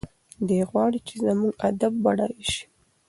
دی غواړي چې زموږ ادب بډایه شي.